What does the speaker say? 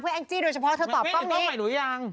แองจี้โดยเฉพาะเธอตอบกล้องนี้ยัง